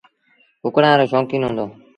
ڪُڪڙآن رو شوڪيٚن هُݩدو۔